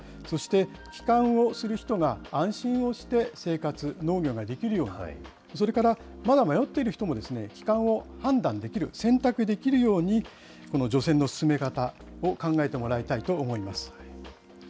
そして、帰還をする人が安心をして生活、農業ができるように、それから、まだ迷っている人も帰還を判断できる、選択できるように、除染の進め方を考えてもらいたいと思います。